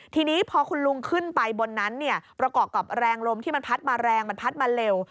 ทีนี้พอคุณลุงขึ้นไปบนนั้นเนี่ยประกอบกับแรงลมที่มันพัดมาแรงมันพัดมาเร็ว